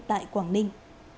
tại quảng ninh